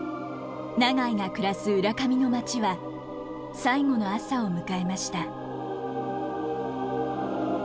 永井が暮らす浦上の町は最後の朝を迎えました。